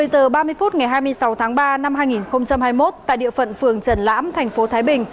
một mươi giờ ba mươi phút ngày hai mươi sáu tháng ba năm hai nghìn hai mươi một tại địa phận phường trần lãm thành phố thái bình